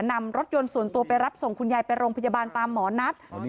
นำรถยนต์ส่วนตัวไปรับส่งคุณยายไปโรงพยาบาลตามหมอนัด